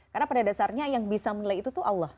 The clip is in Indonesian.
karena pada dasarnya yang bisa menilai itu tuh allah